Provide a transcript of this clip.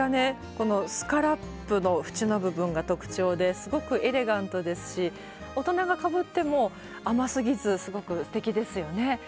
このスカラップの縁の部分が特徴ですごくエレガントですし大人がかぶっても甘すぎずすごくすてきですよね。